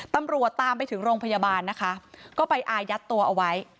ตามไปถึงโรงพยาบาลนะคะก็ไปอายัดตัวเอาไว้